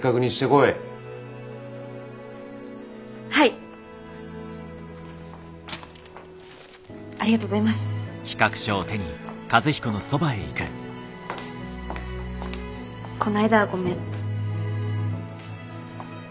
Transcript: この間はごめん。